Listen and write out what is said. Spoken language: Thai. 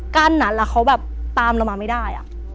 กั้นนั้นอะเขาแบบตามเรามาไม่ได้อะ